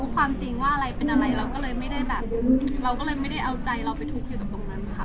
ความจริงว่าอะไรเป็นอะไรเราก็เลยไม่ได้แบบเราก็เลยไม่ได้เอาใจเราไปทุกข์อยู่กับตรงนั้นค่ะ